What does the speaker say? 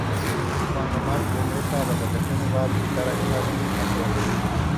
Cuando Mark regresa de vacaciones, va a visitar a Carly a su oficina.